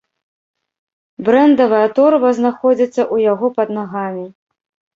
Брэндавая торба знаходзіцца ў яго пад нагамі.